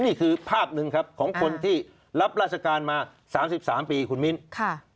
นี่คือภาพหนึ่งครับของคนที่รับราชการมา๓๓ปีคุณมิ้นค่ะ